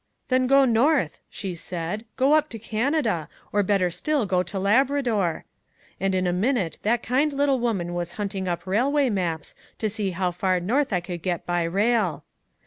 'Then go north,' she said. 'Go up to Canada, or better still go to Labrador,' and in a minute that kind little woman was hunting up railway maps to see how far north I could get by rail.